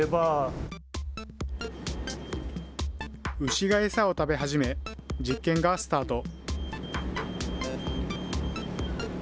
牛が餌を食べ始め、実験がスタート。